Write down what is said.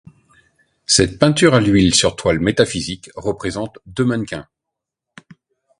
Cette peinture à l'huile sur toile métaphysique représente deux mannequins.